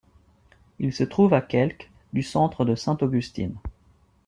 Il se trouve à quelque du centre de Saint Augustine.